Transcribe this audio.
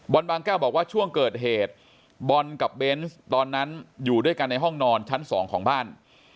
บางแก้วบอกว่าช่วงเกิดเหตุบอลกับเบนส์ตอนนั้นอยู่ด้วยกันในห้องนอนชั้น๒ของบ้าน